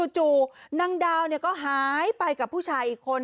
จู่นางดาวก็หายไปกับผู้ชายอีกคน